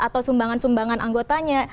atau sumbangan sumbangan anggotanya